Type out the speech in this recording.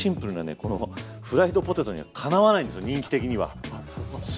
このフライドポテトにはかなわないんですよ